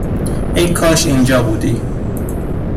ای کاش اینجا بودی